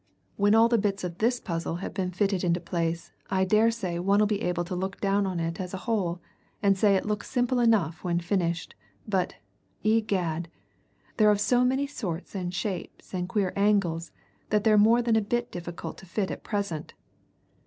"When all the bits of this puzzle have been fitted into place I daresay one'll be able to look down on it as a whole and say it looks simple enough when finished, but, egad, they're of so many sorts and shapes and queer angles that they're more than a bit difficult to fit at present.